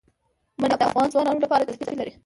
منی د افغان ځوانانو لپاره دلچسپي لري.